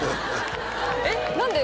えっ何で？